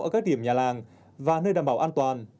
ở các điểm nhà làng và nơi đảm bảo an toàn